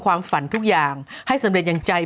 ความฝันทุกอย่างให้สำเร็จอย่างใจ